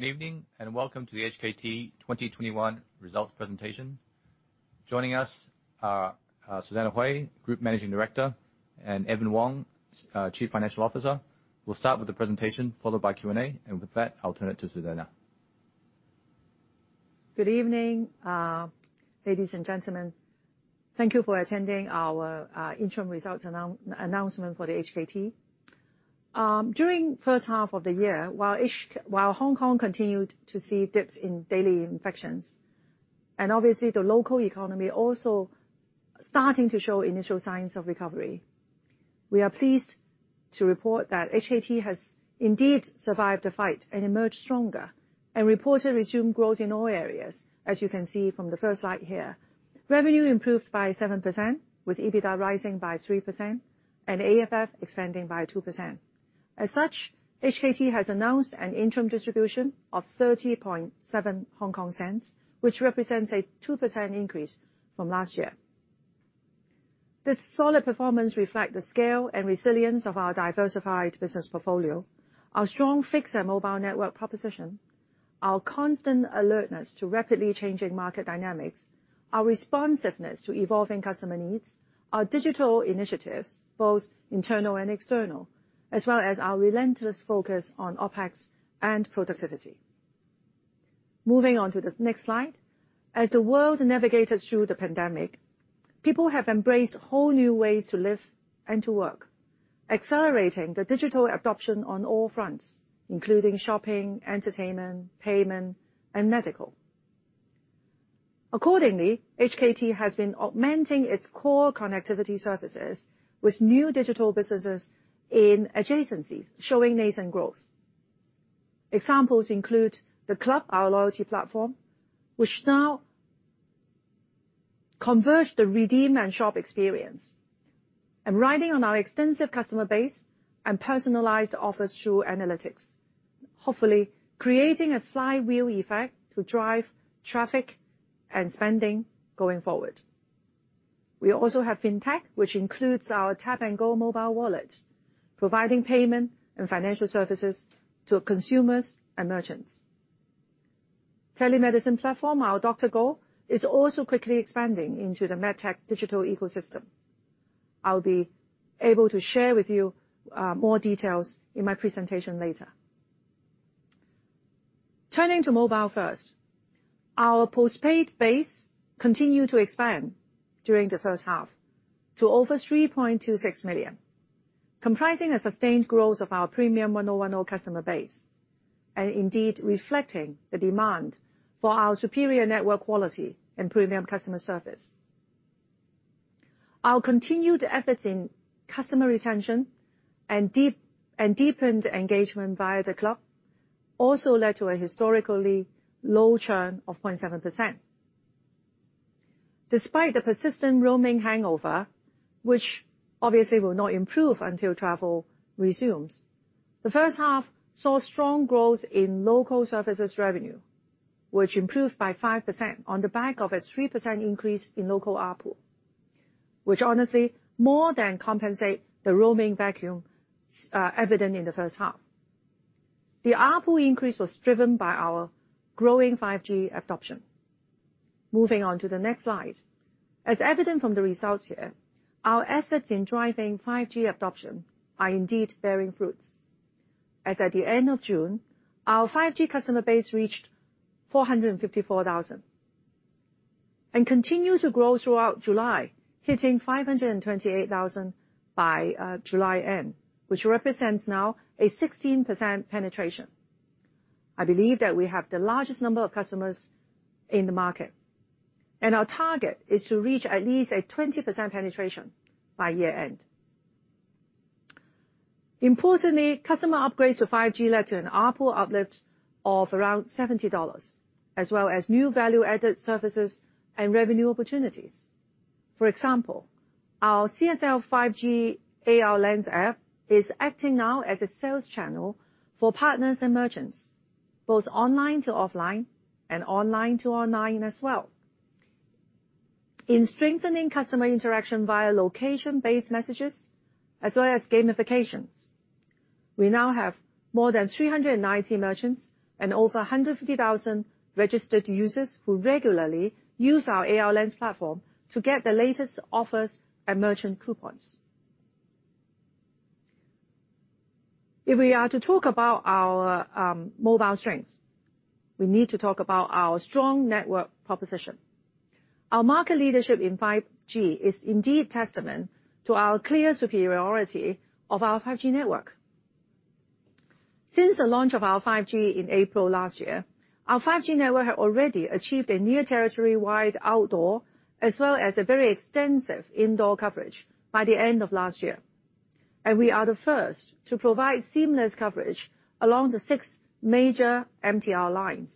Good evening, and welcome to the HKT 2021 Results Presentation. Joining us are Susanna Hui, Group Managing Director, and Evan Wong, Chief Financial Officer. We'll start with the presentation, followed by Q&A. With that, I'll turn it to Susanna. Good evening, ladies and gentlemen. Thank you for attending our interim results announcement for the HKT. During first half of the year, while Hong Kong continued to see dips in daily infections, and obviously, the local economy also starting to show initial signs of recovery, we are pleased to report that HKT has indeed survived the fight and emerged stronger, and reported resumed growth in all areas, as you can see from the first slide here. Revenue improved by 7%, with EBITDA rising by 3%, and AFF expanding by 2%. HKT has announced an interim distribution of 0.307, which represents a 2% increase from last year. This solid performance reflect the scale and resilience of our diversified business portfolio, our strong fixed and mobile network proposition, our constant alertness to rapidly changing market dynamics, our responsiveness to evolving customer needs, our digital initiatives, both internal and external, as well as our relentless focus on OpEx and productivity. Moving on to the next slide. As the world navigates through the pandemic, people have embraced whole new ways to live and to work, accelerating the digital adoption on all fronts, including shopping, entertainment, payment, and medical. Accordingly, HKT has been augmenting its core connectivity services with new digital businesses in adjacencies, showing nascent growth. Examples include The Club, our loyalty platform, which now converts the redeem and shop experience. Riding on our extensive customer base and personalized offers through analytics, hopefully creating a flywheel effect to drive traffic and spending going forward. We also have fintech, which includes our Tap & Go mobile wallet, providing payment and financial services to consumers and merchants. Telemedicine platform, our DrGo, is also quickly expanding into the MedTech digital ecosystem. I'll be able to share with you more details in my presentation later. Turning to mobile first. Our postpaid base continued to expand during the first half to over 3.26 million, comprising a sustained growth of our premium 1O1O customer base, and indeed reflecting the demand for our superior network quality and premium customer service. Our continued efforts in customer retention and deepened engagement via The Club also led to a historically low churn of 0.7%. Despite the persistent roaming hangover, which obviously will not improve until travel resumes, the first half saw strong growth in local services revenue, which improved by 5% on the back of a 3% increase in local ARPU, which honestly more than compensate the roaming vacuum evident in the first half. The ARPU increase was driven by our growing 5G adoption. Moving on to the next slide. As evident from the results here, our efforts in driving 5G adoption are indeed bearing fruits. As at the end of June, our 5G customer base reached 454,000 and continued to grow throughout July, hitting 528,000 by July end, which represents now a 16% penetration. I believe that we have the largest number of customers in the market, and our target is to reach at least a 20% penetration by year-end. Importantly, customer upgrades to 5G led to an ARPU uplift of around HKD 70, as well as new value-added services and revenue opportunities. For example, our csl. 5G Lens app is acting now as a sales channel for partners and merchants, both online to offline and online to online as well. In strengthening customer interaction via location-based messages as well as gamifications, we now have more than 390 merchants and over 150,000 registered users who regularly use our AR Lens platform to get the latest offers and merchant coupons. If we are to talk about our mobile strengths, we need to talk about our strong network proposition. Our market leadership in 5G is indeed testament to our clear superiority of our 5G network. Since the launch of our 5G in April last year, our 5G network had already achieved a near territory-wide outdoor, as well as a very extensive indoor coverage by the end of last year. We are the first to provide seamless coverage along the six major MTR lines.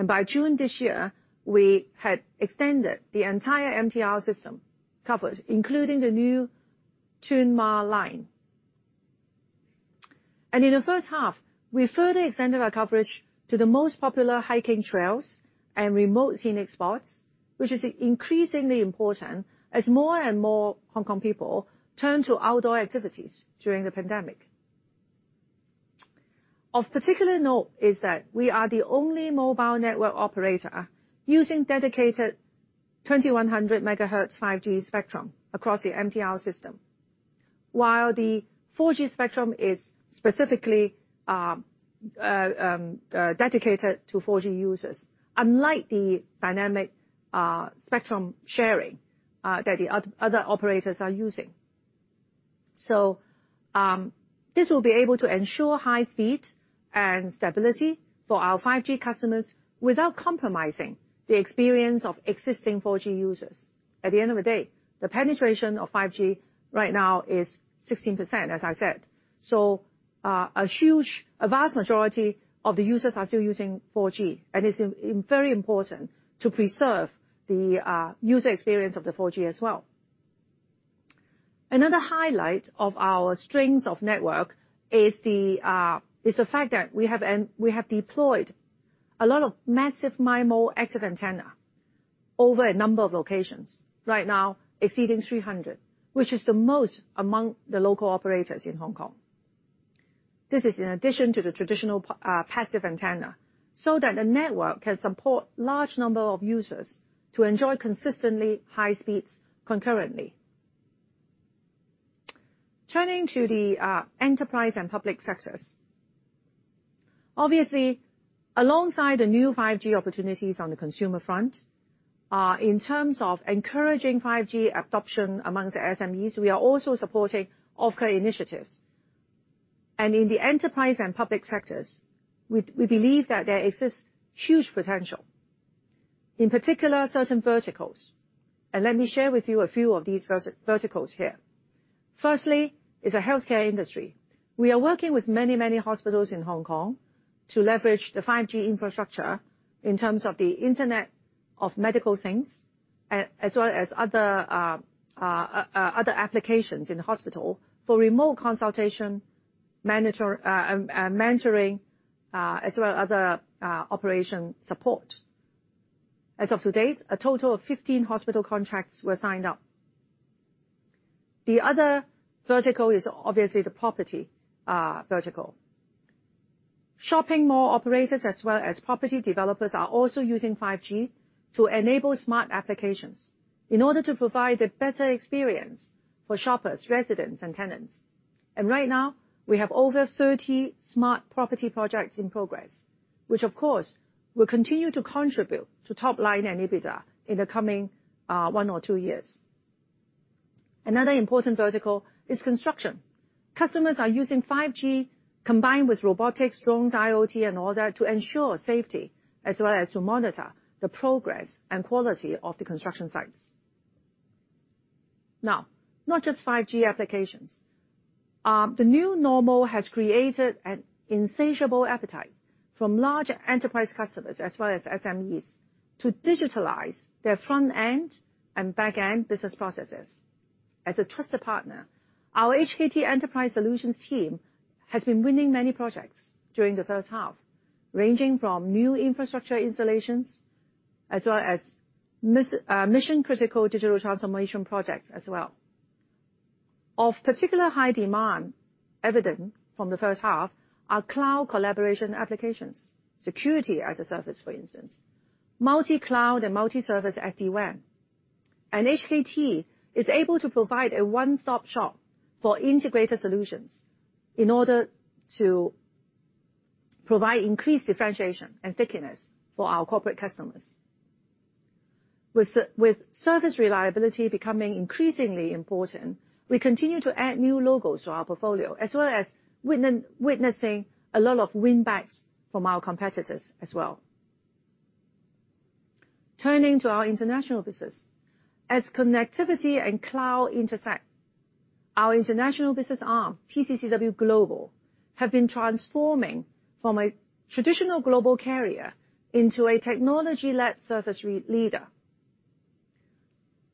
By June this year, we had extended the entire MTR system coverage, including the new Tuen Ma line. In the first half, we further extended our coverage to the most popular hiking trails and remote scenic spots. Which is increasingly important as more and more Hong Kong people turn to outdoor activities during the pandemic. Of particular note is that we are the only mobile network operator using dedicated 2100 MHz 5G spectrum across the MTR system. While the 4G spectrum is specifically dedicated to 4G users, unlike the dynamic spectrum sharing that the other operators are using. This will be able to ensure high speed and stability for our 5G customers without compromising the experience of existing 4G users. At the end of the day, the penetration of 5G right now is 16%, as I said. A vast majority of the users are still using 4G, and it's very important to preserve the user experience of the 4G as well. Another highlight of our strength of network is the fact that we have deployed a lot of massive MIMO active antenna over a number of locations. Right now, exceeding 300, which is the most among the local operators in Hong Kong. This is in addition to the traditional passive antenna, so that the network can support large number of users to enjoy consistently high speeds concurrently. Turning to the enterprise and public sectors. Obviously, alongside the new 5G opportunities on the consumer front, in terms of encouraging 5G adoption amongst the SMEs, we are also supporting OFCA initiatives. In the enterprise and public sectors, we believe that there exists huge potential, in particular certain verticals, and let me share with you a few of these verticals here. Firstly is the healthcare industry. We are working with many hospitals in Hong Kong to leverage the 5G infrastructure in terms of the Internet of Medical Things, as well other applications in the hospital for remote consultation, mentoring, as well other operation support. As of to date, a total of 15 hospital contracts were signed up. The other vertical is obviously the property vertical. Shopping mall operators, as well as property developers, are also using 5G to enable smart applications in order to provide a better experience for shoppers, residents, and tenants. Right now, we have over 30 smart property projects in progress, which of course will continue to contribute to top line and EBITDA in the coming one or two years. Another important vertical is construction. Customers are using 5G combined with robotics, drones, IoT and all that, to ensure safety as well as to monitor the progress and quality of the construction sites. Now, not just 5G applications. The new normal has created an insatiable appetite from large enterprise customers as well as SMEs to digitalize their front end and back end business processes. As a trusted partner, our HKT Enterprise Solutions team has been winning many projects during the first half, ranging from new infrastructure installations as well as mission critical digital transformation projects as well. Of particular high demand evident from the first half are cloud collaboration applications. Security as a service, for instance. Multi-cloud and multi-service SD-WAN. HKT is able to provide a one-stop shop for integrated solutions in order to provide increased differentiation and stickiness for our corporate customers. With service reliability becoming increasingly important, we continue to add new logos to our portfolio as well as witnessing a lot of win backs from our competitors as well. Turning to our international business. As connectivity and cloud intersect, our international business arm, PCCW Global, have been transforming from a traditional global carrier into a technology-led service leader.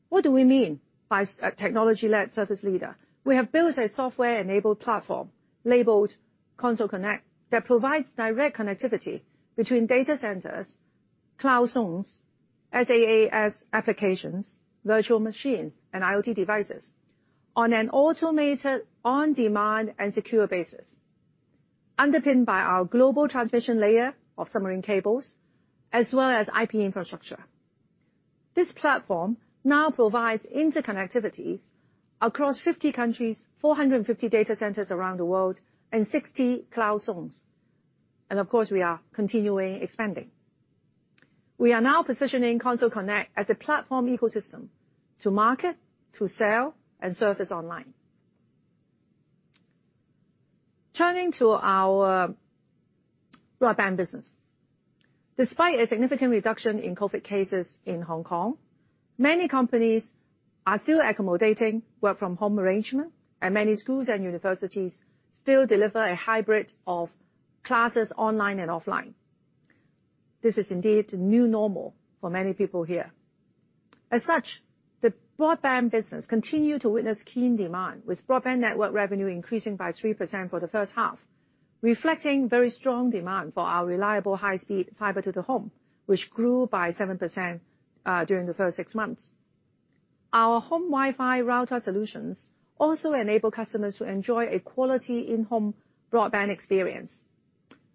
What do we mean by a technology-led service leader? We have built a software-enabled platform labeled Console Connect that provides direct connectivity between data centers, cloud zones, SaaS applications, virtual machines, and IoT devices on an automated, on-demand, and secure basis. Underpinned by our global transmission layer of submarine cables as well as IP infrastructure. This platform now provides interconnectivity across 50 countries, 450 data centers around the world, and 60 cloud zones. Of course, we are continuing expanding. We are now positioning Console Connect as a platform ecosystem to market, to sell, and service online. Turning to our broadband business. Despite a significant reduction in COVID cases in Hong Kong, many companies are still accommodating work from home arrangement, and many schools and universities still deliver a hybrid of classes online and offline. This is indeed the new normal for many people here. The broadband business continue to witness keen demand, with broadband network revenue increasing by 3% for the first half. Reflecting very strong demand for our reliable high-speed fiber to the home, which grew by 7% during the first six months. Our home Wi-Fi router solutions also enable customers to enjoy a quality in-home broadband experience.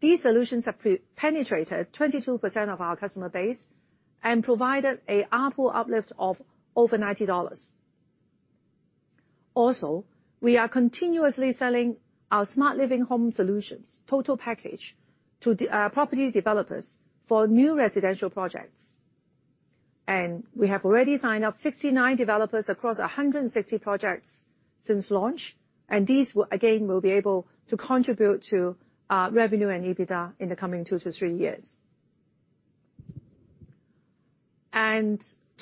These solutions have penetrated 22% of our customer base and provided an ARPU uplift of over 90 dollars. Also, we are continuously selling our smart living home solutions total package to property developers for new residential projects. We have already signed up 69 developers across 160 projects since launch, these, again, will be able to contribute to our revenue and EBITDA in the coming 2-3 years.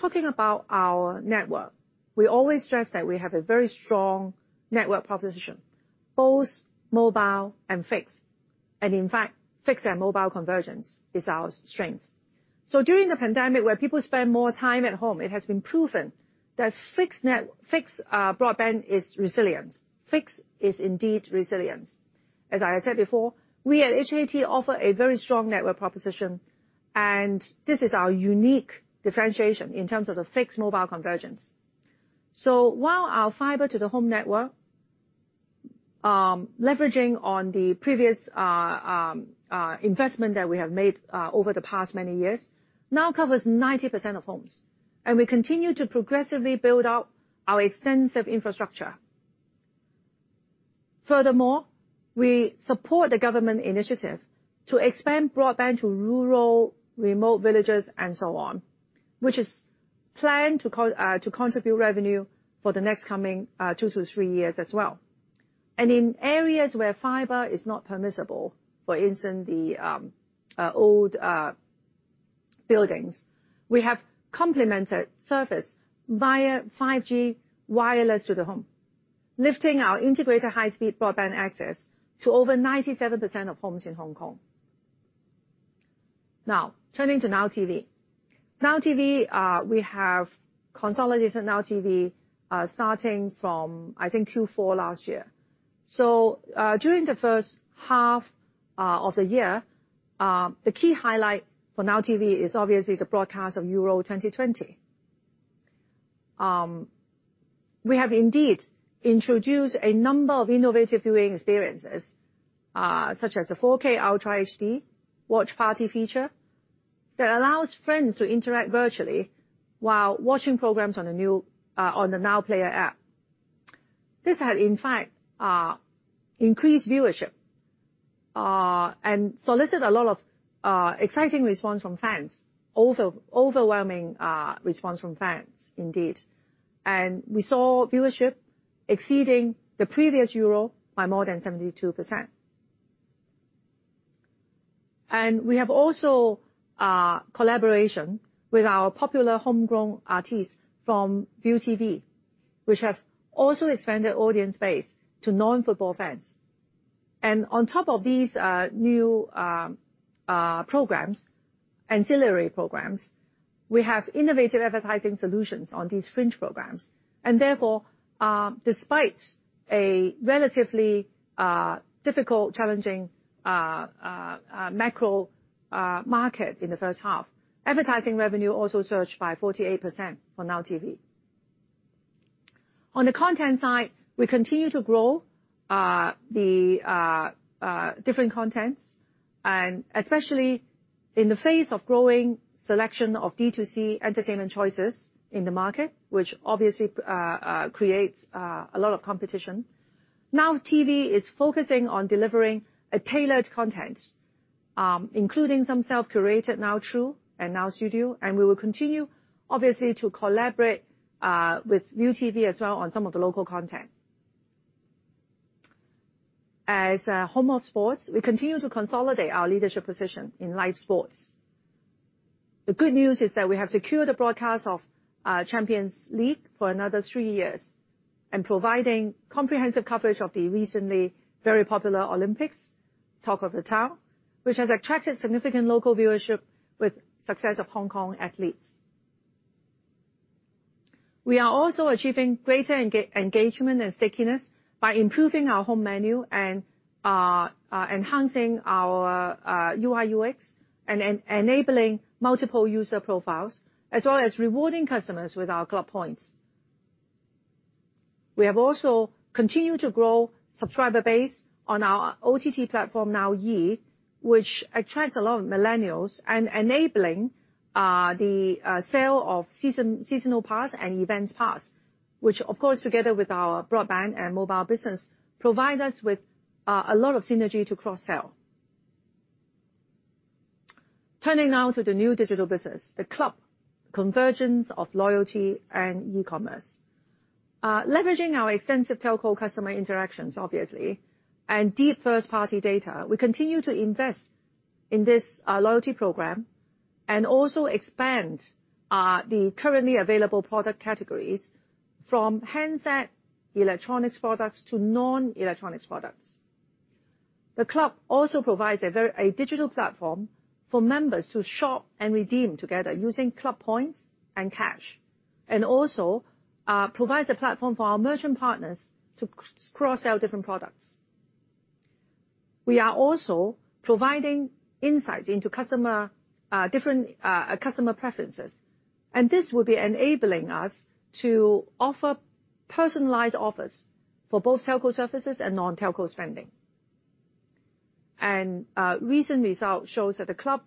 Talking about our network, we always stress that we have a very strong network proposition, both mobile and fixed. In fact, fixed and mobile convergence is our strength. During the pandemic, where people spend more time at home, it has been proven that fixed broadband is resilient. Fixed is indeed resilient. As I have said before, we at HKT offer a very strong network proposition, and this is our unique differentiation in terms of the fixed mobile convergence. While our fiber-to-the-home network, leveraging on the previous investment that we have made over the past many years, now covers 90% of homes. We continue to progressively build out our extensive infrastructure. Furthermore, we support the government initiative to expand broadband to rural, remote villages and so on, which is planned to contribute revenue for the next coming 2 to 3 years as well. In areas where fiber is not permissible, for instance, the old buildings, we have complemented service via 5G wireless to the home, lifting our integrated high-speed broadband access to over 97% of homes in Hong Kong. Turning to Now TV. We have consolidated Now TV starting from, I think, Q4 last year. During the first half of the year, the key highlight for Now TV is obviously the broadcast of Euro 2020. We have indeed introduced a number of innovative viewing experiences, such as the 4K Ultra HD Watch Party feature that allows friends to interact virtually while watching programs on the Now Player app. This has, in fact, increased viewership, and solicited a lot of exciting response from fans. Overwhelming response from fans, indeed. We saw viewership exceeding the previous Euro by more than 72%. We have also a collaboration with our popular homegrown artists from ViuTV, which have also expanded audience base to non-football fans. On top of these new ancillary programs, we have innovative advertising solutions on these fringe programs. Therefore, despite a relatively difficult, challenging macro market in the first half, advertising revenue also surged by 48% for Now TV. On the content side, we continue to grow the different contents, and especially in the face of growing selection of D2C entertainment choices in the market, which obviously creates a lot of competition. Now TV is focusing on delivering a tailored content, including some self-curated Now True and Now Studio, and we will continue, obviously, to collaborate with ViuTV as well on some of the local content. As a home of sports, we continue to consolidate our leadership position in live sports. The good news is that we have secured the broadcast of Champions League for another three years, and providing comprehensive coverage of the recently very popular Olympics, talk of the town, which has attracted significant local viewership with success of Hong Kong athletes. We are also achieving greater engagement and stickiness by improving our home menu and enhancing our UI/UX, and enabling multiple user profiles, as well as rewarding customers with our club points. We have also continued to grow subscriber base on our OTT platform, Now E, which attracts a lot of millennials, and enabling the sale of seasonal pass and events pass, which, of course, together with our broadband and mobile business, provide us with a lot of synergy to cross-sell. Turning now to the new digital business, The Club, convergence of loyalty and e-commerce. Leveraging our extensive telco customer interactions, obviously, and deep first-party data, we continue to invest in this loyalty program, and also expand the currently available product categories from handset electronics products to non-electronics products. The Club also provides a digital platform for members to shop and redeem together using The Club points and cash. Also provides a platform for our merchant partners to cross-sell different products. We are also providing insights into different customer preferences, and this will be enabling us to offer personalized offers for both telco services and non-telco spending. Recent results shows that The Club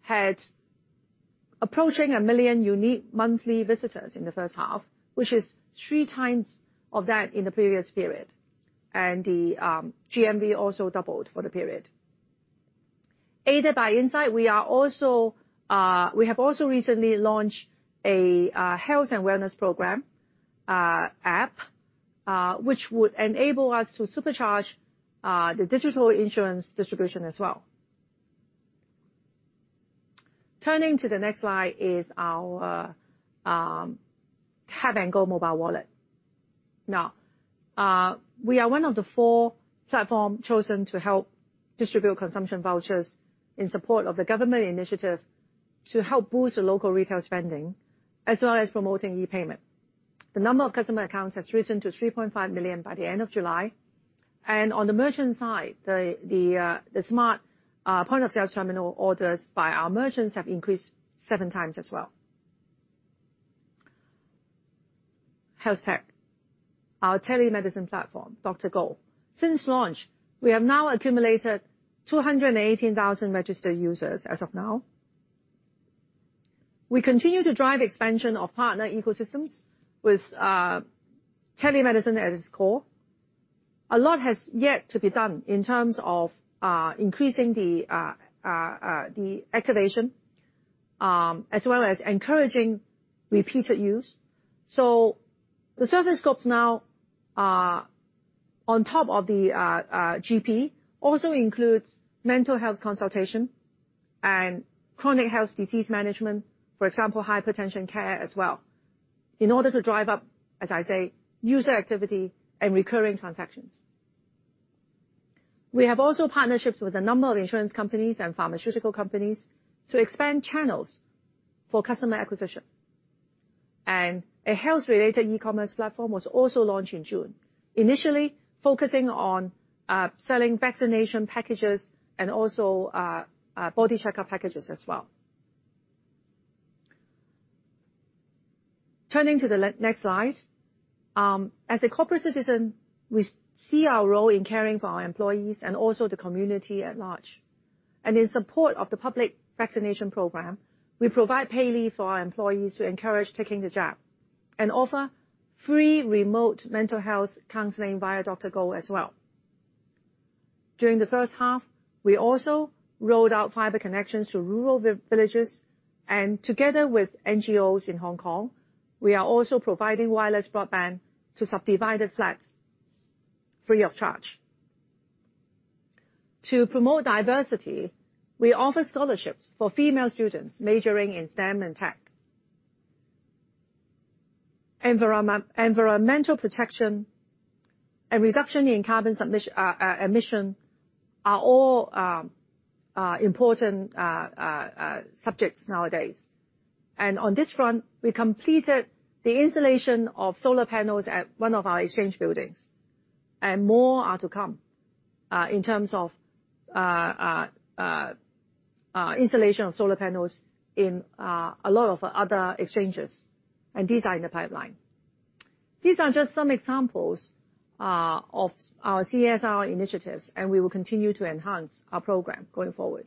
had approaching 1 million unique monthly visitors in the first half, which is 3x of that in the previous period. The GMV also doubled for the period. Aided by insight, we have also recently launched a health and wellness program app, which would enable us to supercharge the digital insurance distribution as well. Turning to the next slide is our Tap & Go mobile wallet. We are one of the four platform chosen to help distribute consumption vouchers in support of the government initiative to help boost the local retail spending, as well as promoting e-payment. The number of customer accounts has risen to 3.5 million by the end of July. On the merchant side, the smart point-of-sale terminal orders by our merchants have increased 7x as well. Health tech. Our telemedicine platform, DrGo. Since launch, we have now accumulated 218,000 registered users as of now. We continue to drive expansion of partner ecosystems with telemedicine at its core. A lot has yet to be done in terms of increasing the activation, as well as encouraging repeated use. The service scopes now are on top of the GP, also includes mental health consultation and chronic health disease management, for example, hypertension care as well, in order to drive up, as I say, user activity and recurring transactions. We have also partnerships with a number of insurance companies and pharmaceutical companies to expand channels for customer acquisition. A health-related e-commerce platform was also launched in June, initially focusing on selling vaccination packages and also body checkup packages as well. Turning to the next slide. As a corporate citizen, we see our role in caring for our employees and also the community at large. In support of the public vaccination program, we provide pay leave for our employees to encourage taking the jab and offer free remote mental health counseling via DrGo as well. During the first half, we also rolled out fiber connections to rural villages. Together with NGOs in Hong Kong, we are also providing wireless broadband to subdivided flats free of charge. To promote diversity, we offer scholarships for female students majoring in STEM and tech. Environmental protection and reduction in carbon emission are all important subjects nowadays. On this front, we completed the installation of solar panels at one of our exchange buildings, and more are to come in terms of installation of solar panels in a lot of other exchanges, and these are in the pipeline. These are just some examples of our CSR initiatives, and we will continue to enhance our program going forward.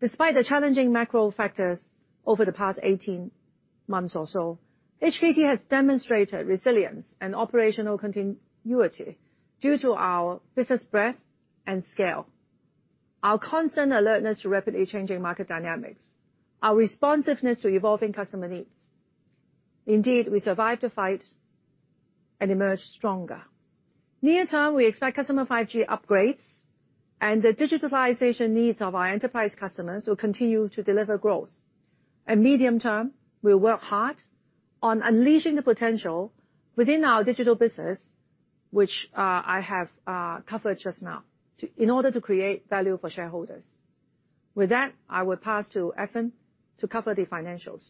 Despite the challenging macro factors over the past 18 months or so, HKT has demonstrated resilience and operational continuity due to our business breadth and scale, our constant alertness to rapidly changing market dynamics, our responsiveness to evolving customer needs. Indeed, we survived the fight and emerged stronger. Near term, we expect customer 5G upgrades and the digitalization needs of our enterprise customers will continue to deliver growth. Medium term, we work hard on unleashing the potential within our digital business, which I have covered just now, in order to create value for shareholders. With that, I will pass to Evan to cover the financials.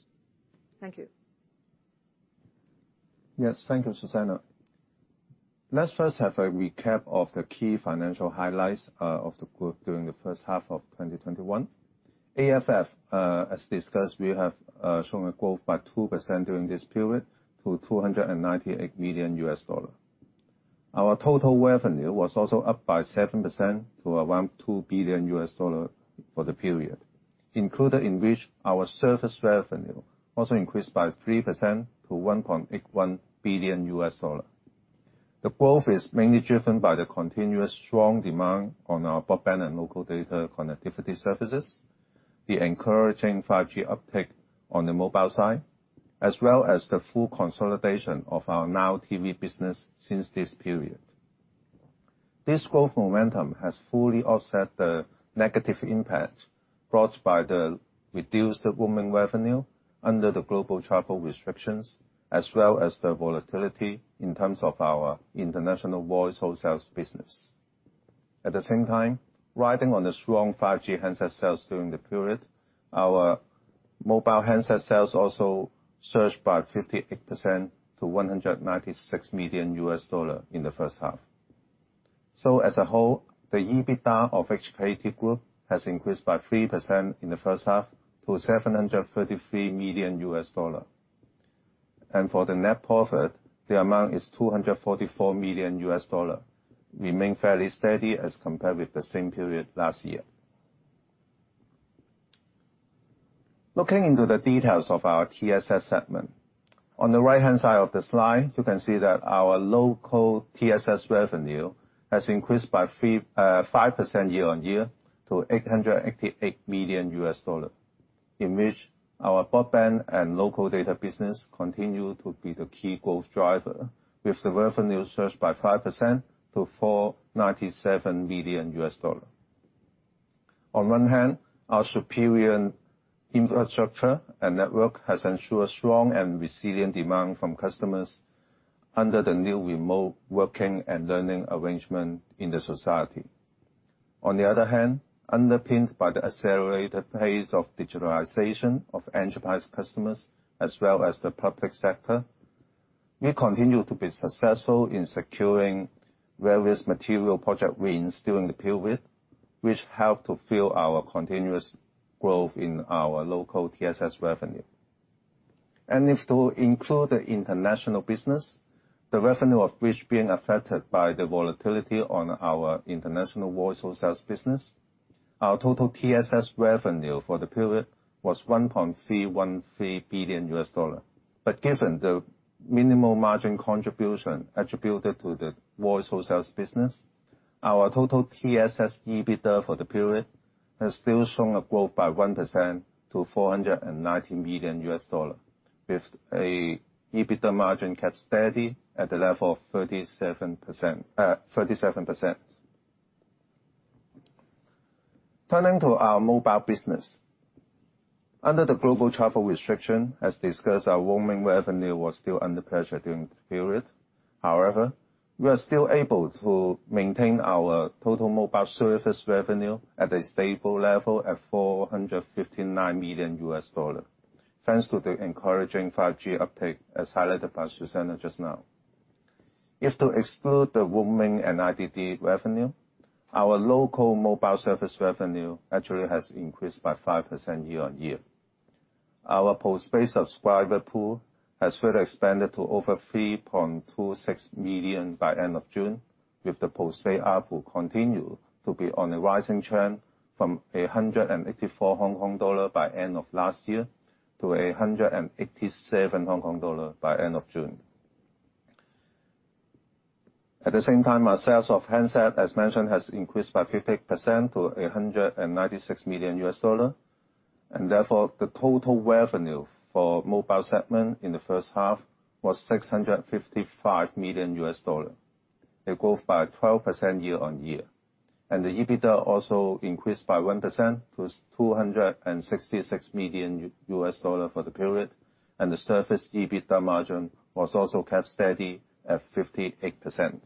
Thank you. Yes. Thank you, Susanna. Let's first have a recap of the key financial highlights of the group during the first half of 2021. AFF, as discussed, we have shown a growth by 2% during this period to $298 million. Our total revenue was also up by 7% to around $2 billion for the period. Included in which our service revenue also increased by 3% to $1.81 billion. The growth is mainly driven by the continuous strong demand on our broadband and local data connectivity services, the encouraging 5G uptake on the mobile side, as well as the full consolidation of our Now TV business since this period. This growth momentum has fully offset the negative impact brought by the reduced roaming revenue under the global travel restrictions, as well as the volatility in terms of our international voice wholesale business. Riding on the strong 5G handset sales during the period, our mobile handset sales also surged by 58% to $196 million in the first half. As a whole, the EBITDA of HKT Group has increased by 3% in the first half to $733 million. For the net profit, the amount is $244 million. It remained fairly steady as compared with the same period last year. Looking into the details of our TSS segment. On the right-hand side of the slide, you can see that our local TSS revenue has increased by 5% year-on-year to $888 million, in which our broadband and local data business continue to be the key growth driver, with the revenue surged by 5% to $497 million. On one hand, our superior infrastructure and network has ensured strong and resilient demand from customers under the new remote working and learning arrangement in the society. On the other hand, underpinned by the accelerated pace of digitalization of enterprise customers, as well as the public sector, we continue to be successful in securing various material project wins during the period, which help to fuel our continuous growth in our local TSS revenue. If to include the international business, the revenue of which being affected by the volatility on our international wholesale sales business. Our total TSS revenue for the period was $1.313 billion. Given the minimal margin contribution attributed to the wholesale sales business, our total TSS EBITDA for the period has still shown a growth by 1% to $419 million, with a EBITDA margin kept steady at the level of 37%. Turning to our mobile business. Under the global travel restriction, as discussed, our roaming revenue was still under pressure during the period. We are still able to maintain our total mobile service revenue at a stable level at $459 million. Thanks to the encouraging 5G uptake, as highlighted by Susanna just now. If to exclude the roaming and IDD revenue, our local mobile service revenue actually has increased by 5% year-on-year. Our postpaid subscriber pool has further expanded to over 3.26 million by end of June, with the postpaid ARPU continue to be on a rising trend from 184 Hong Kong dollar by end of last year to 187 Hong Kong dollar by end of June. At the same time, our sales of handset, as mentioned, has increased by 58% to $196 million. Therefore, the total revenue for mobile segment in the first half was $655 million. A growth by 12% year-on-year. The EBITDA also increased by 1% to $266 million for the period, and the service EBITDA margin was also kept steady at 58%.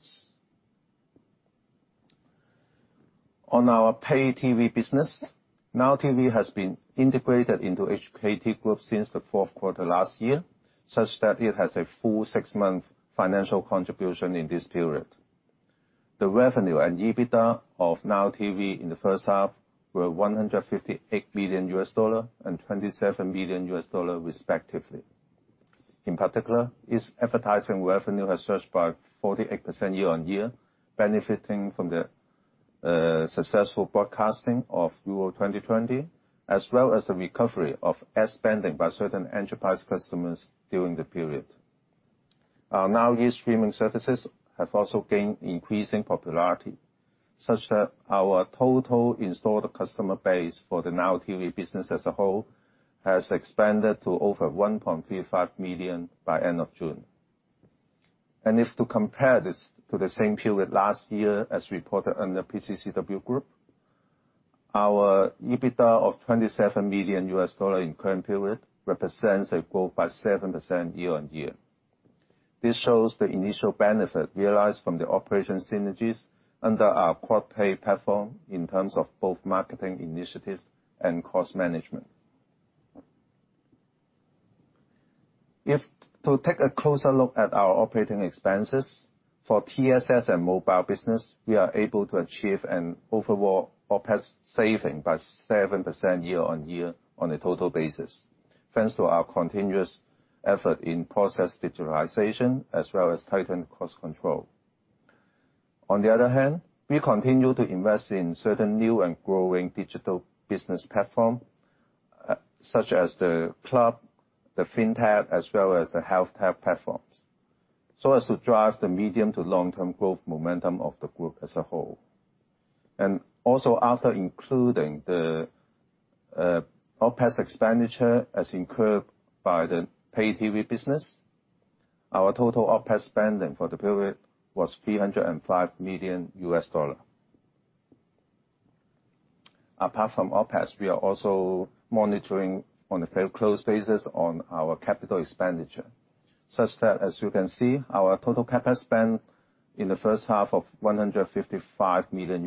On our pay TV business, Now TV has been integrated into HKT Group since the fourth quarter last year, such that it has a full six-month financial contribution in this period. The revenue and EBITDA of Now TV in the first half were $158 million and $27 million respectively. In particular, its advertising revenue has surged by 48% year-on-year, benefiting from the successful broadcasting of Euro 2020, as well as the recovery of ad spending by certain enterprise customers during the period. Our Now E streaming services have also gained increasing popularity, such that our total installed customer base for the Now TV business as a whole has expanded to over 1.35 million by end of June. If to compare this to the same period last year as reported under PCCW Group, our EBITDA of $27 million in current period represents a growth by 7% year-on-year. This shows the initial benefit realized from the operation synergies under our quad pay platform in terms of both marketing initiatives and cost management. To take a closer look at our operating expenses for TSS and mobile business, we are able to achieve an overall OpEx saving by 7% year-on-year on a total basis. Thanks to our continuous effort in process digitalization, as well as tightened cost control. On the other hand, we continue to invest in certain new and growing digital business platform, such as The Club, the fintech, as well as the health tech platforms, so as to drive the medium to long-term growth momentum of the Group as a whole. Also after including the OpEx expenditure as incurred by the pay TV business, our total OpEx spending for the period was $305 million. Apart from OpEx, we are also monitoring on a very close basis on our capital expenditure, such that as you can see, our total CapEx spend in the first half of $155 million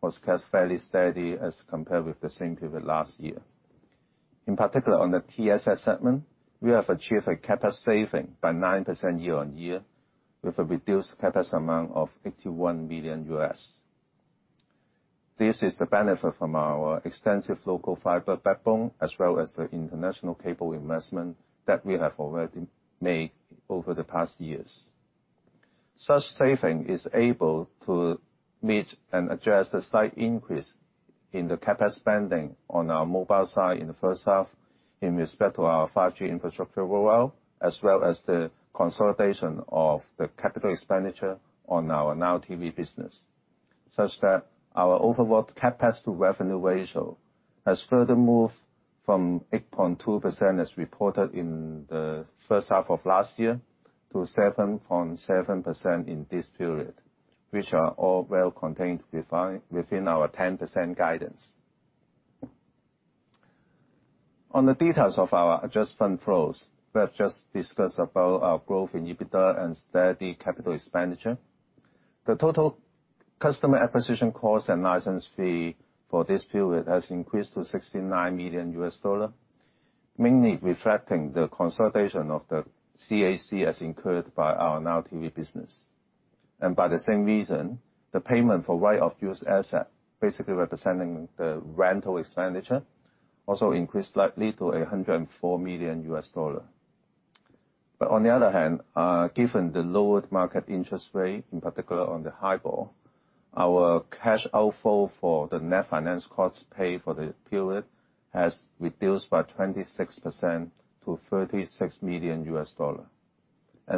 was fairly steady as compared with the same period last year. In particular, on the TSS segment, we have achieved a CapEx saving by 9% year-on-year with a reduced CapEx amount of $81 million. This is the benefit from our extensive local fiber backbone, as well as the international cable investment that we have already made over the past years. Such saving is able to meet and address the slight increase in the CapEx spending on our mobile side in the first half, in respect to our 5G infrastructure rollout, as well as the consolidation of the capital expenditure on our Now TV business. Such that our overall CapEx to revenue ratio has further moved from 8.2% as reported in the first half of last year to 7.7% in this period, which are all well contained within our 10% guidance. On the details of our adjustment flows, we have just discussed about our growth in EBITDA and steady capital expenditure. The total customer acquisition costs and license fee for this period has increased to $69 million, mainly reflecting the consolidation of the CAC as incurred by our Now TV business. By the same reason, the payment for right of use asset, basically representing the rental expenditure, also increased slightly to $104 million. On the other hand, given the lowered market interest rate, in particular on the HIBOR, our cash outflow for the net finance costs paid for the period has reduced by 26% to $36 million.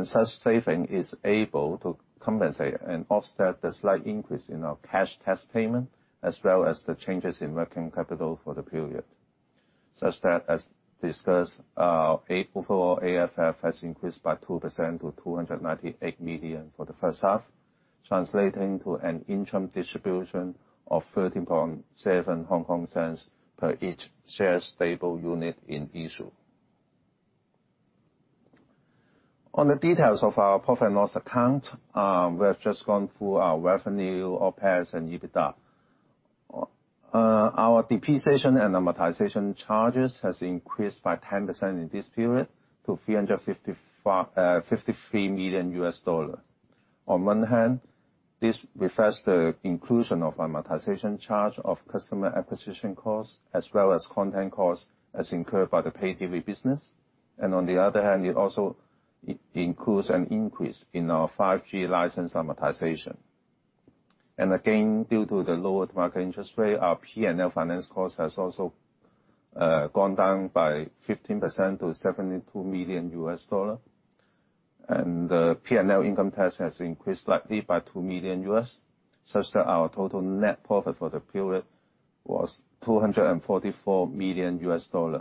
Such saving is able to compensate and offset the slight increase in our cash tax payment, as well as the changes in working capital for the period. Such that as discussed, our overall AFF has increased by 2% to 298 million for the first half, translating to an interim distribution of 0.137 per each stapled unit in issue. On the details of our profit and loss account, we have just gone through our revenue, OpEx, and EBITDA. Our depreciation and amortization charges has increased by 10% in this period to $353 million. On one hand, this refers to the inclusion of amortization charge of customer acquisition costs as well as content costs as incurred by the Pay TV business. On the other hand, it also includes an increase in our 5G license amortization. Again, due to the lowered market interest rate, our P&L finance cost has also gone down by 15% to $72 million. The P&L income tax has increased slightly by $2 million, such that our total net profit for the period was $244 million,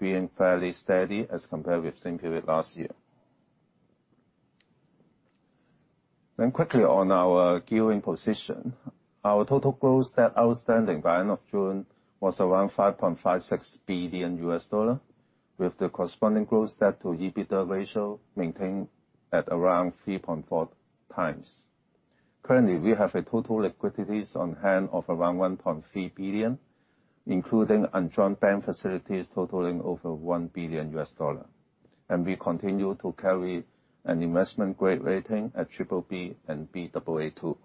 being fairly steady as compared with the same period last year. Quickly on our gearing position. Our total gross debt outstanding by end of June was around $5.56 billion, with the corresponding gross debt to EBITDA ratio maintained at around 3.4x. Currently, we have total liquidities on hand of around 1.3 billion, including undrawn bank facilities totaling over $1 billion. We continue to carry an investment-grade rating at BBB and Baa2.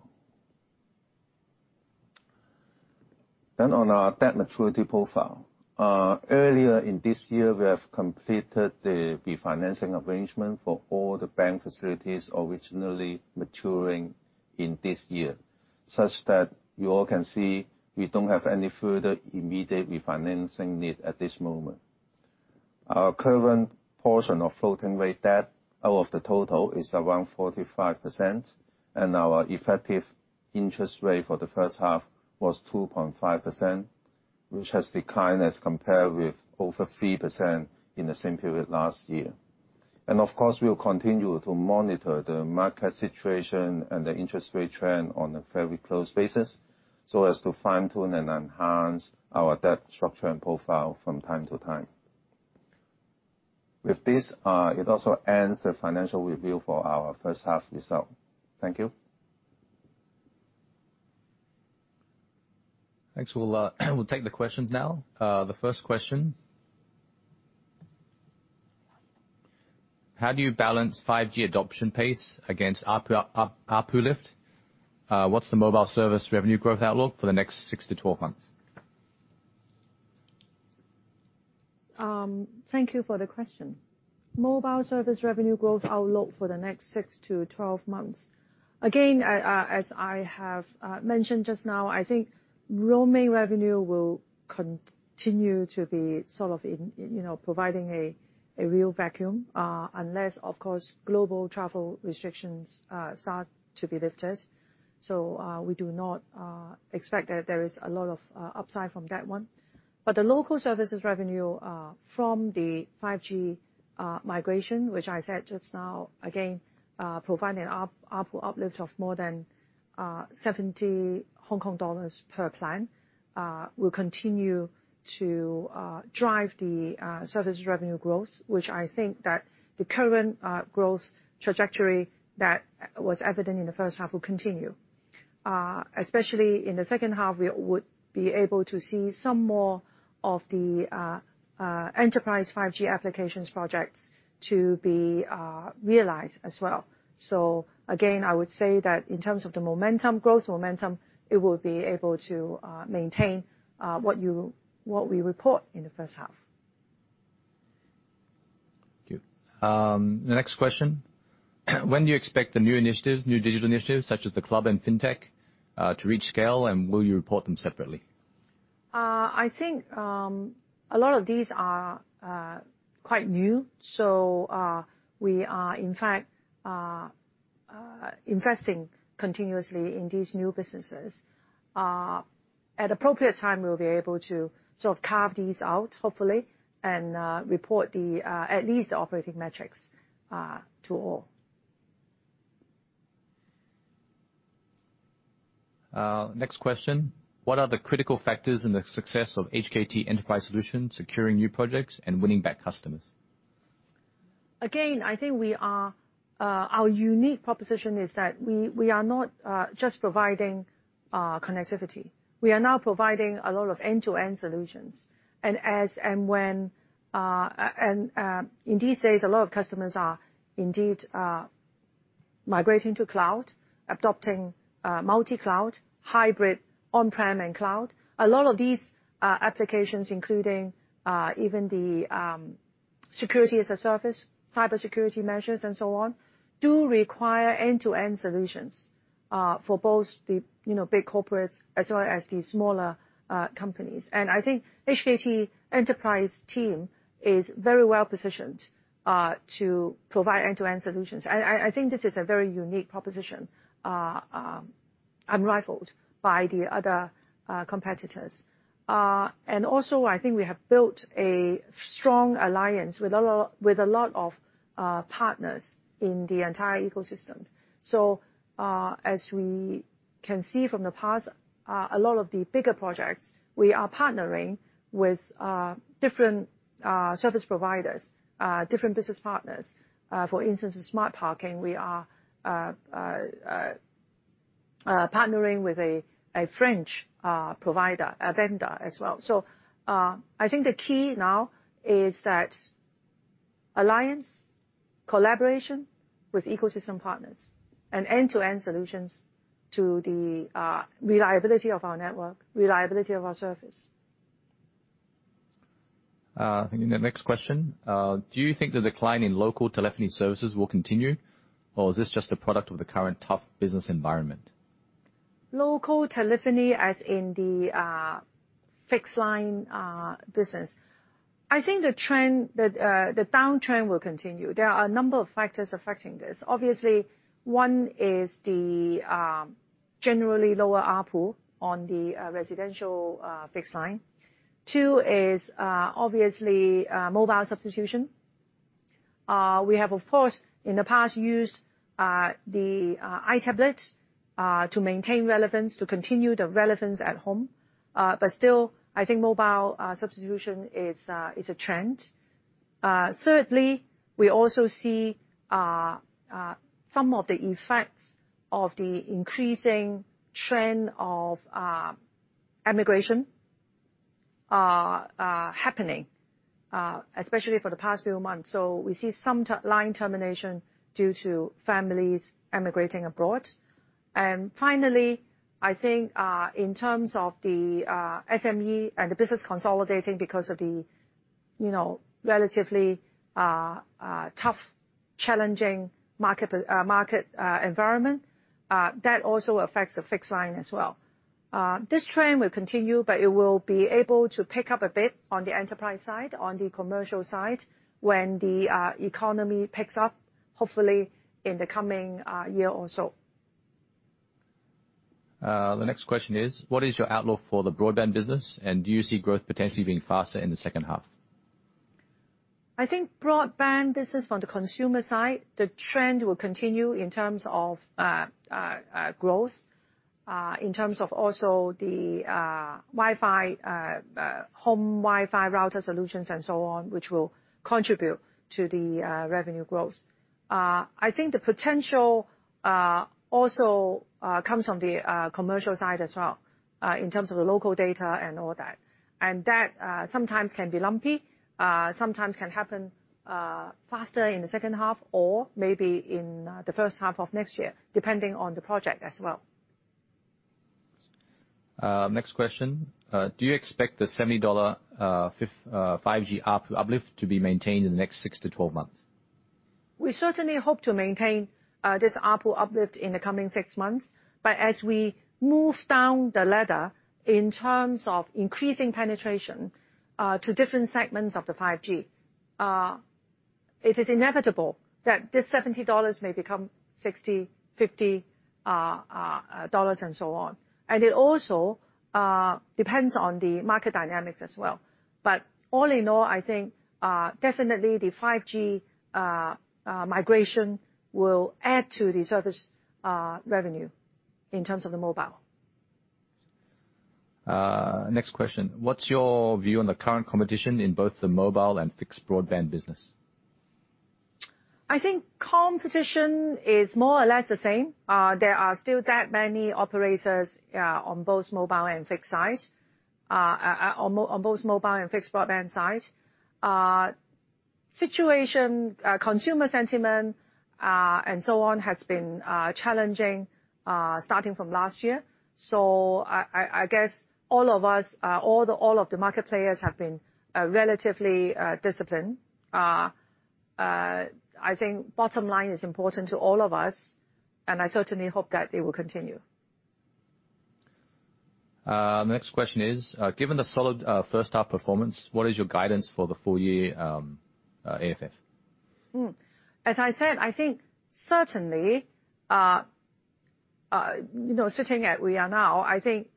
On our debt maturity profile. Earlier in this year, we have completed the refinancing arrangement for all the bank facilities originally maturing in this year, such that you all can see we don't have any further immediate refinancing need at this moment. Our current portion of floating rate debt out of the total is around 45%, and our effective interest rate for the first half was 2.5%, which has declined as compared with over 3% in the same period last year. Of course, we will continue to monitor the market situation and the interest rate trend on a very close basis so as to fine-tune and enhance our debt structure and profile from time to time. With this, it also ends the financial review for our first half result. Thank you. Thanks. We'll take the questions now. The first question, how do you balance 5G adoption pace against ARPU lift? What's the mobile service revenue growth outlook for the next 6-12 months? Thank you for the question. Mobile service revenue growth outlook for the next 6-12 months. As I have mentioned just now, I think roaming revenue will continue to be providing a real vacuum, unless, of course, global travel restrictions start to be lifted. We do not expect that there is a lot of upside from that one. The local services revenue from the 5G migration, which I said just now, again, providing an uplift of more than 70 Hong Kong dollars per plan will continue to drive the service revenue growth, which I think that the current growth trajectory that was evident in the first half will continue. Especially in the second half, we would be able to see some more of the enterprise 5G applications projects to be realized as well. Again, I would say that in terms of the growth momentum, it will be able to maintain what we report in the first half. Thank you. The next question: When do you expect the new digital initiatives, such as The Club and fintech, to reach scale, and will you report them separately? I think a lot of these are quite new, so we are in fact investing continuously in these new businesses. At appropriate time, we'll be able to sort of carve these out hopefully and report at least the operating metrics to all. Next question. What are the critical factors in the success of HKT Enterprise Solutions securing new projects and winning back customers? I think our unique proposition is that we are not just providing connectivity. We are now providing a lot of end-to-end solutions. In these days, a lot of customers are indeed migrating to cloud, adopting multi-cloud, hybrid, on-prem, and cloud. A lot of these applications, including even the security-as-a-service, cybersecurity measures, and so on, do require end-to-end solutions for both the big corporates as well as the smaller companies. I think HKT Enterprise team is very well positioned to provide end-to-end solutions. I think this is a very unique proposition, unrivaled by the other competitors. Also, I think we have built a strong alliance with a lot of partners in the entire ecosystem. As we can see from the past, a lot of the bigger projects, we are partnering with different service providers, different business partners. For instance, the smart parking, we are partnering with a French provider, a vendor as well. I think the key now is that alliance, collaboration with ecosystem partners and end-to-end solutions to the reliability of our network, reliability of our service. The next question: Do you think the decline in local telephony services will continue, or is this just a product of the current tough business environment? Local telephony, as in the fixed line business. I think the downtrend will continue. There are a number of factors affecting this. Obviously, one is the generally lower ARPU on the residential fixed line. Two is, obviously, mobile substitution. We have, of course, in the past used the eye tablet to maintain relevance, to continue the relevance at home. Still, I think mobile substitution is a trend. Thirdly, we also see some of the effects of the increasing trend of emigration happening, especially for the past few months. We see some line termination due to families emigrating abroad. Finally, I think, in terms of the SME and the business consolidating because of the relatively tough, challenging market environment, that also affects the fixed line as well. This trend will continue, but it will be able to pick up a bit on the enterprise side, on the commercial side, when the economy picks up, hopefully in the coming year or so. The next question is: What is your outlook for the broadband business, and do you see growth potentially being faster in the second half? I think broadband business on the consumer side, the trend will continue in terms of growth, in terms of also the home Wi-Fi router solutions and so on, which will contribute to the revenue growth. I think the potential also comes from the commercial side as well, in terms of the local data and all that. That sometimes can be lumpy, sometimes can happen faster in the second half or maybe in the first half of next year, depending on the project as well. Next question: Do you expect the HKD 70 5G ARPU uplift to be maintained in the next 6-12 months? We certainly hope to maintain this ARPU uplift in the coming six months. As we move down the ladder in terms of increasing penetration to different segments of the 5G, it is inevitable that this 70 dollars may become 60, 50 dollars, and so on. It also depends on the market dynamics as well. All in all, I think definitely the 5G migration will add to the service revenue in terms of the mobile. Next question: What's your view on the current competition in both the mobile and fixed broadband business? I think competition is more or less the same. There are still that many operators on both mobile and fixed broadband sides. Consumer sentiment and so on has been challenging starting from last year. I guess all of the market players have been relatively disciplined. I think bottom line is important to all of us, and I certainly hope that it will continue. Next question is: Given the solid first half performance, what is your guidance for the full year AFF? As I said, I think certainly, sitting where we are now, I think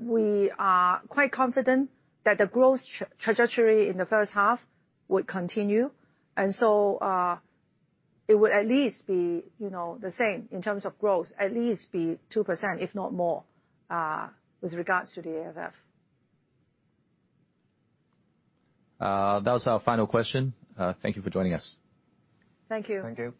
we are quite confident that the growth trajectory in the first half will continue. It would at least be the same in terms of growth, at least be 2%, if not more, with regards to the AFF. That was our final question. Thank you for joining us. Thank you. Thank you.